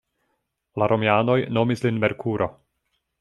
La romianoj nomis lin Merkuro.